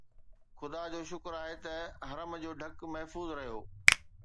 خدا جو شڪر آهي ته حرم جو ڍڪ محفوظ رهيو